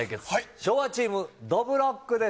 昭和チーム、どぶろっくです。